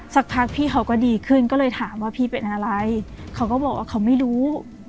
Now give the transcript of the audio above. สักพักพี่เขาก็ดีขึ้นก็เลยถามว่าพี่เป็นอะไรเขาก็บอกว่าเขาไม่รู้